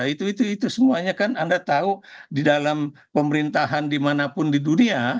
itu itu semuanya kan anda tahu di dalam pemerintahan dimanapun di dunia